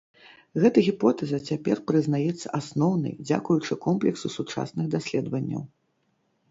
Гэта гіпотэза цяпер прызнаецца асноўнай дзякуючы комплексу сучасных даследаванняў.